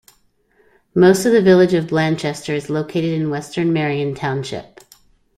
Most of the village of Blanchester is located in western Marion Township.